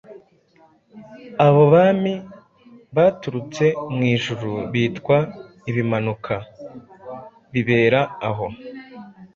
Abo Bami baturutse mw'ijuru bitwa Ibimanuka. Bibera aho,